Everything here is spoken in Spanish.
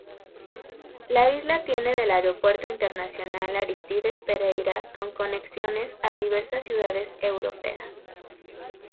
La isla tiene del aeropuerto Internacional Aristides Pereira con conexiones a diversas ciudades europeas.